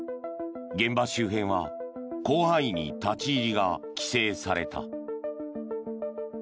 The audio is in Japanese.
現場周辺は広範囲に立ち入りが規制された。